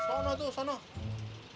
oh gitu bang